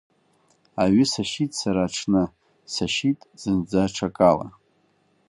Аҩы сашьит сара аҽны, сашьит, зынӡа ҽакала.